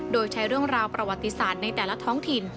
โดยใช้เรื่องราวประวัติศาสตร์ในแต่ละท้องถิ่น